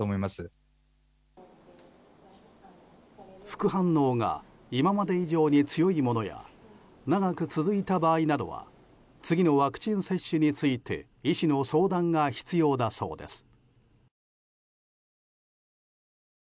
副反応が今まで以上に強いものや長く続いた場合などは次のワクチン接種について医師の相談が必要だそうです。